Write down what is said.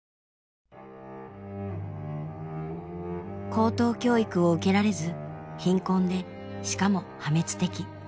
高等教育を受けられず貧困でしかも破滅的。